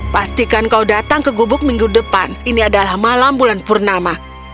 pastikan kau datang ke gubuk minggu depan ini adalah malam bulan purnama